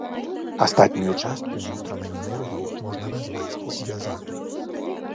Астатнюю частку ўнутранай энергіі можна назваць звязанай.